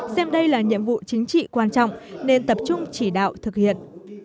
xem đây là nhiệm vụ chính trị quan trọng nên tập trung chỉ đạo thực hiện